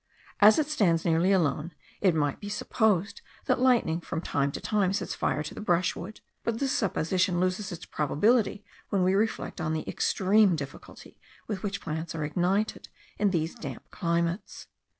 As it stands nearly alone, it might be supposed that lightning from time to time sets fire to the brushwood; but this supposition loses its probability when we reflect on the extreme difficulty with which plants are ignited in these damp climates.